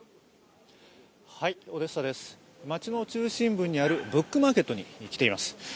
街の中心部にあるブックマーケットに来ています。